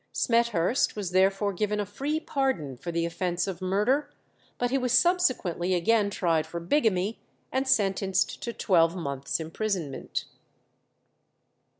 Smethurst was therefore given a free pardon for the offence of murder, but he was subsequently again tried for bigamy, and sentenced to twelve months' imprisonment.